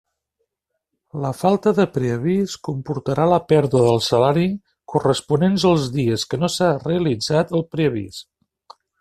La falta de preavís comportarà la pèrdua del salari corresponent als dies que no s'ha realitzat el preavís.